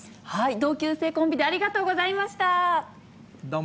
同級生コンビでありがとうごどうも。